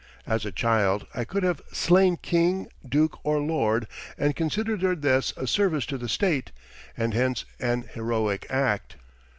As a child I could have slain king, duke, or lord, and considered their deaths a service to the state and hence an heroic act.